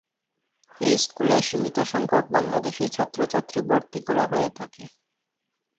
এই স্কুলে সীমিত সংখ্যক বাংলাদেশী ছাত্রছাত্রী ভর্তি করা হয়ে থাকে।